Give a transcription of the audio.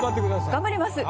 頑張ります。